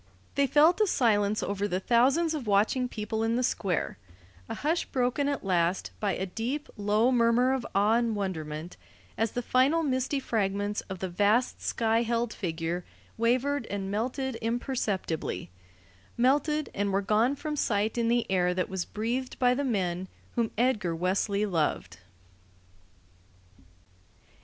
They felt a silence over the thousands of watching people in the Square, a hush broken at last by a deep, low murmur of awe and wonderment as the final misty fragments of the vast sky held figure wavered and melted imperceptibly melted and were gone from sight in the air that was breathed by the men whom Edgar Wesley loved.